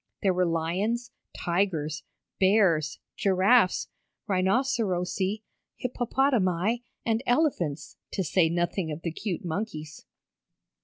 There were lions, tigers, bears, giraffes, rhinocerosi, hippopotami, and elephants, to say nothing of the cute monkeys.